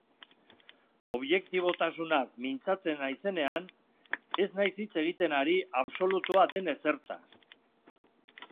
Objektibotasunaz mintzatzen naizenean, ez naiz hitz egiten ari absolutua den ezertaz.